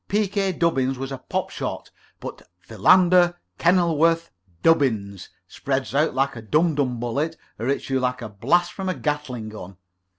P. K. Dubbins was a pop shot, but Philander Kenilworth Dubbins spreads out like a dum dum bullet or hits you like a blast from a Gatling gun.